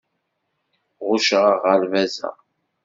Ɣucceɣ aɣerbaz-a.